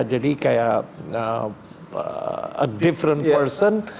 jadi kayak a different person